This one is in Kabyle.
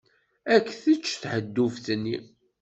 Ad k-tečč tḥedduft-nni.